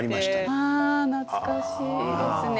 あ懐かしいですね。